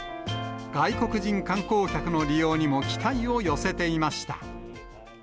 外国人観光客の利用にも期待を寄せていました。